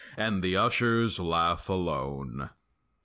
And the ushers laugh alone.